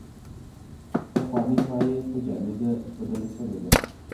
پخوانۍ مایع په جامد بدله شوې ده.